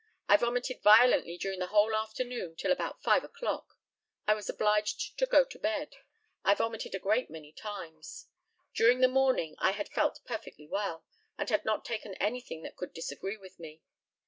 I vomited violently during the whole afternoon till about 5 o'clock. I was obliged to go to bed. I vomited a great many times. During the morning I had felt perfectly well, and had not taken anything that could disagree with me.